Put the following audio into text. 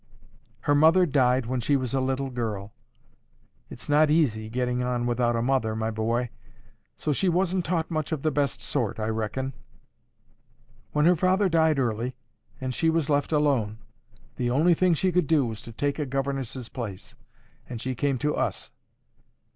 Her mother died when she was a little girl. It's not easy getting on without a mother, my boy. So she wasn't taught much of the best sort, I reckon. When her father died early, and she was left atone, the only thing she could do was to take a governess's place, and she came to us.